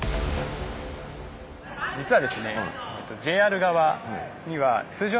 実はですね